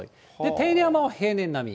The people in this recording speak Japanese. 手稲山は平年並み。